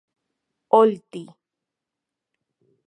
Olti.